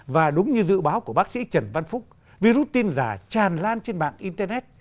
và đúng như dự báo của bác sĩ trần văn phúc virus tin giả tràn lan trên mạng internet